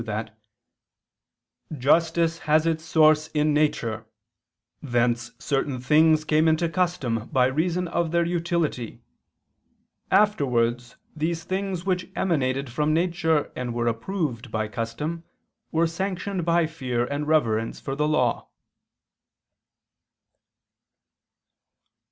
ii) that "justice has its source in nature; thence certain things came into custom by reason of their utility; afterwards these things which emanated from nature and were approved by custom, were sanctioned by fear and reverence for the law."